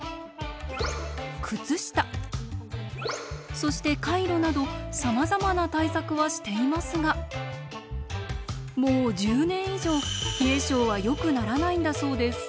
そしてカイロなどさまざまな対策はしていますがもう１０年以上冷え症はよくならないんだそうです。